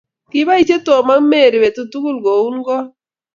kiboisie Tom ak Mary beetut tugul kuun koot